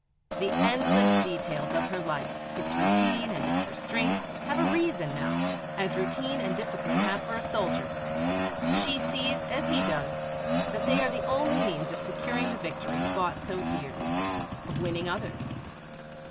The endless details of her life, its routine and its restraints, have a reason now, as routine and discipline have for a soldier. She sees as he does that they are the only means of securing the victory bought so dearly of winning others.